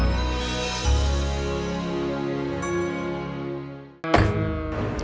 ketika di rumah juragan